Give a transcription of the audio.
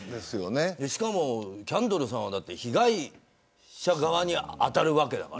しかもキャンドルさんは被害者側に当たるわけだから。